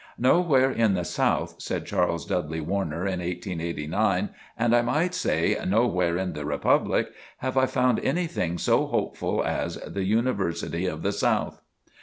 "Nowhere in the South," said Charles Dudley Warner, in 1889, "and I might say, nowhere in the Republic, have I found anything so hopeful as The University of the South."